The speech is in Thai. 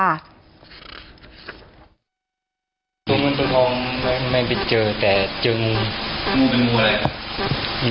ไม่มีเจอแต่จึง